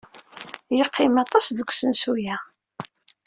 Yeqqim aṭas deg usensu-a.